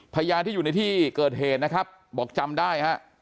พยานที่อยู่ในที่เกิดเหตุนะครับบอกจำได้ฮะ